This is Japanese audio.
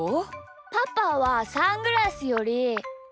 パパはサングラスより。